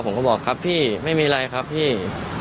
ผมก็บอกครับพี่ไม่มีอะไรครับพี่